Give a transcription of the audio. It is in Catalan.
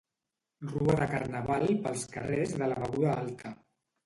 Rua de carnaval pels carrers de la Beguda Alta.